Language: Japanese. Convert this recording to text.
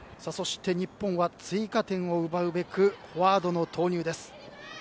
日本は追加点を奪うべくフォワードの投入です。